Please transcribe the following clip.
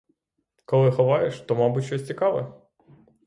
Коли ховаєш, то, мабуть, щось цікаве.